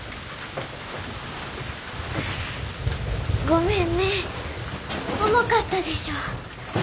ごめんね重かったでしょ。